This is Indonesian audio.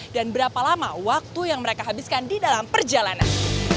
dan berapa lama waktu yang mereka habiskan di dalam perjalanan